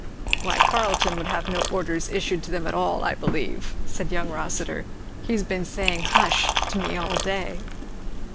"Why Carleton would have no orders issued to them at all, I believe," said young Rossitur; "he has been saying 'hush' to me all day."